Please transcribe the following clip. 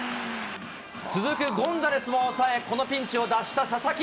続くゴンザレスも抑え、このピンチを脱した佐々木。